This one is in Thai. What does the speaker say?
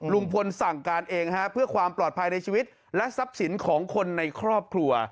ลุงพลสั่งการเองเพื่อความปลอดภัยในชีวิตและทรัพย์สินของคนในครอบครัว